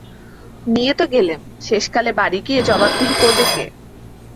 নিয়ে তো গেলেম, শেষকালে বাড়ি গিয়ে জবাবদিহি করবে কে।